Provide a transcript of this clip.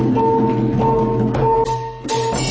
นี่ก็ได้